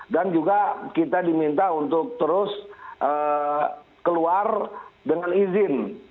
dan juga kita diminta untuk terus keluar dengan izin